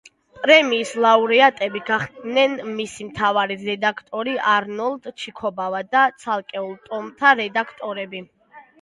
პრემიის ლაურეატები გახდნენ მისი მთავარი რედაქტორი არნოლდ ჩიქობავა და ცალკეულ ტომთა რედაქტორები.